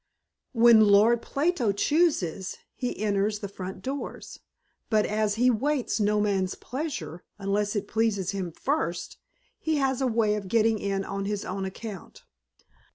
When Lord Plato chooses, he enters the front doors, but as he waits no man's pleasure, unless it pleases him first, he has a way of getting in on his own account.